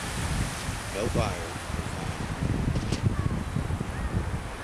No buyers were found.